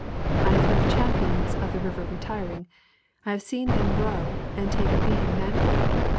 I have heard of champions of the river retiring. I have seen them row, and take a beating manfully.